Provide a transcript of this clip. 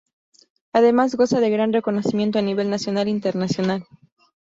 Además goza de gran reconocimiento a nivel nacional e internacional.